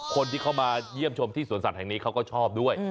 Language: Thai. คนที่เข้ามาเยี่ยมชมที่สวนสัตว์แห่งนี้เขาก็ชอบด้วย